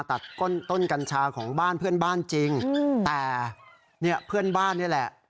ตัดต้นต้นกัญชาของบ้านเพื่อนบ้านจริงแต่เนี่ยเพื่อนบ้านนี่แหละ